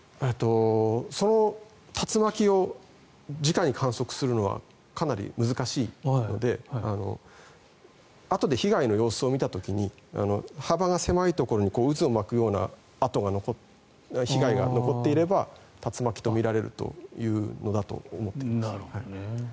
その竜巻をじかに観測するのはかなり難しいのであとで被害の様子を見た時に幅が狭いところに渦を巻くような被害が残っていれば竜巻とみられるというのだと思っています。